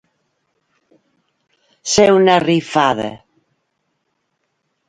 Ser una rifada.